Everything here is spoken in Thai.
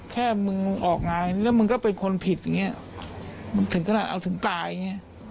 แค่มึงออกมาแล้วมึงก็เป็นคนผิดอย่างเงี้ยมึงถึงขนาดเอาถึงตายอย่างเงี้ย